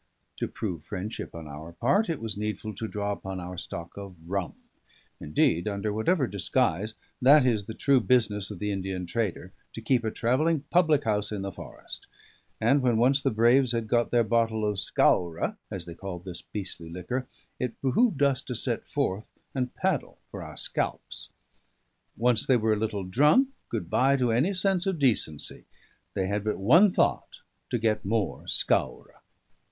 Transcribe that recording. To prove friendship on our part, it was needful to draw upon our stock of rum indeed, under whatever disguise, that is the true business of the Indian trader, to keep a travelling public house in the forest; and when once the braves had got their bottle of scaura (as they call this beastly liquor), it behoved us to set forth and paddle for our scalps. Once they were a little drunk, good bye to any sense or decency; they had but the one thought, to get more scaura.